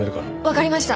わかりました。